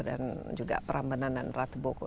dan juga prambanan dan ratu boko